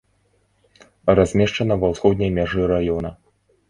Размешчана ва ўсходняй мяжы раёна.